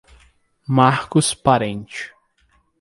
Marcos Parente